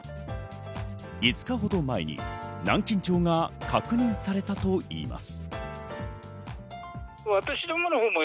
５日ほど前に南京錠が確認されたといいます。